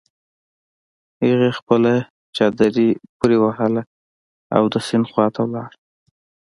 هغې خپله چادري پورې وهله او د سيند خواته لاړه.